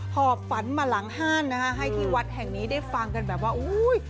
หอบฝันมาหลังห้านนะคะให้ที่วัดแห่งนี้ได้ฟังกันแบบว่าอุ้ย